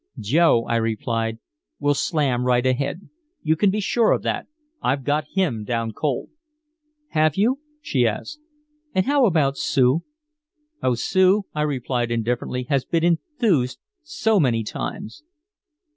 "Joe," I replied, "will slam right ahead. You can be sure of that, I've got him down cold." "Have you?" she asked. "And how about Sue?" "Oh Sue," I replied indifferently, "has been enthused so many times."